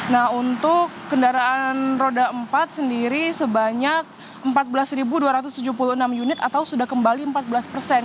nah untuk kendaraan roda empat sendiri sebanyak empat belas dua ratus tujuh puluh enam unit atau sudah kembali empat belas persen